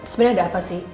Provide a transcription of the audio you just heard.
sebenernya ada apa sih